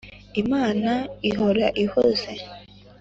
Imana ihora ihoze.